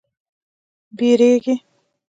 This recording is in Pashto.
بیږیږې